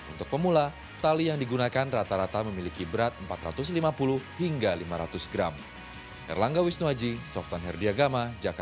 untuk pemula tali yang digunakan rata rata memiliki berat empat ratus lima puluh hingga lima ratus gram